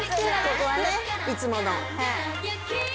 ここはねいつもの。